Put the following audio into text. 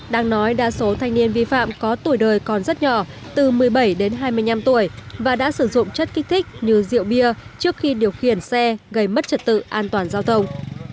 đang nói đa số thanh niên vi phạm có tuổi đời còn rất nhỏ từ một mươi bảy đến hai mươi năm tuổi và đã sử dụng chất kích thích như rượu bia trước khi điều khiển xe gây mất trật tự an toàn giao thông